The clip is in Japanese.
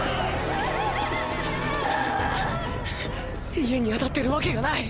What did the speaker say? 家に当たってるわけがない。